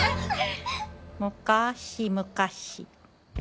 むかしむかし。